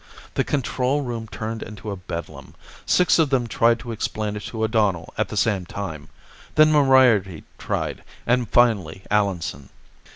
The control room turned into a bedlam. Six of them tried to explain it to O'Donnell at the same time. Then Moriarty tried, and finally Allenson.